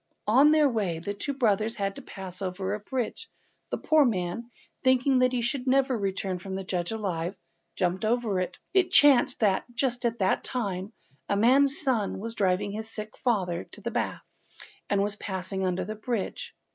On their way the two brothers had to pass over a bridge, and the poor man, thinking that he should never return from the judge alive, jumped over it. It chanced that, just at that time, a man's son was driving his sick father to the baths, and was passing under the bridge.